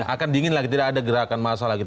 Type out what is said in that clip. akan dingin lagi tidak ada gerakan masa lagi